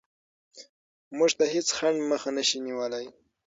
موږ ته هېڅ خنډ مخه نشي نیولی.